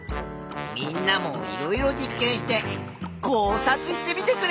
みんなもいろいろ実験して考察してみてくれ。